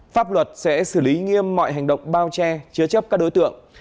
pháp luật sẽ xử lý nghiêm mọi hành động bao che chứa chấp các đối tượng